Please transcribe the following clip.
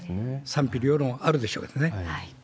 賛否両論あるでしょうけれどもね。